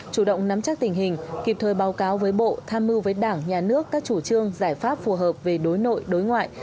chủ động nắm chắc tình hình kịp thời báo cáo với bộ tham mưu với đảng nhà nước các chủ trương giải pháp phù hợp về đối nội đối ngoại